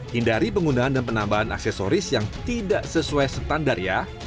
hindari penggunaan dan penambahan aksesoris yang tidak sesuai standar ya